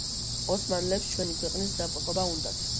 ოსმანლებს ჩვენი ქვეყნის დაბრყობა უნდოდათ